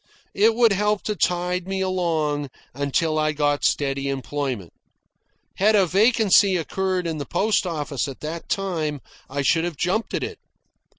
It would help to tide me along until I got steady employment. Had a vacancy occurred in the post office at that time, I should have jumped at it.